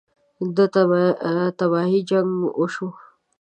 ده تباهۍ جـنګ وشو.